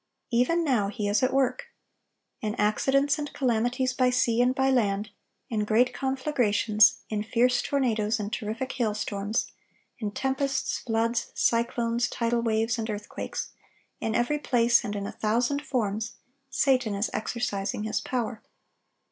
Even now he is at work. In accidents and calamities by sea and by land, in great conflagrations, in fierce tornadoes and terrific hail storms, in tempests, floods, cyclones, tidal waves, and earthquakes, in every place and in a thousand forms, Satan is exercising his power.